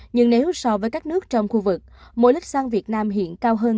nhưng nếu so với các nước trong khu vực mỗi lít xăng việt nam hiện cao hơn